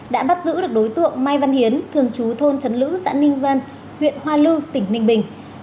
đã bắt giữ được đối tượng mai văn hiến thường chú thôn trấn lữ xã ninh vân huyện hoa lư tỉnh ninh bình